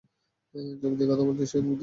চোখ দিয়ে কথা বলেছে সে, মুখ দিয়ে নয়।